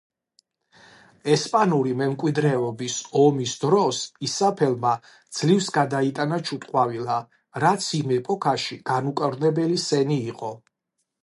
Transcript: ესპანური მემკვიდრეობის ომის დროს, ისაბელმა ძლივს გადაიტანა ჩუტყვავილა, რაც იმ ეპოქაში განუკურნებელი სენი იყო.